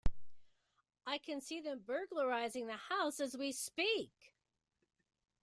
I can see them burglarizing the house as we speak!.